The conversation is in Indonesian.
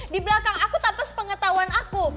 di belakang aku tanpa sepengetahuan aku